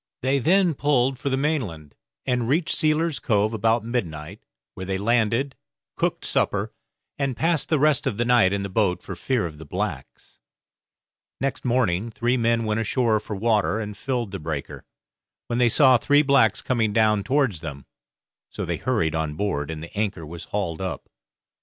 They then pulled for the mainland, and reached Sealer's Cove about midnight, where they landed, cooked supper, and passed the rest of the night in the boat for fear of the blacks. Next morning three men went ashore for water and filled the breaker, when they saw three blacks coming down towards them; so they hurried on board, and the anchor was hauled up.